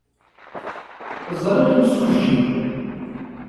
Ẓriɣ imsujji.